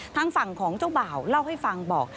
ทางฝั่งของเจ้าบ่าวเล่าให้ฟังบอก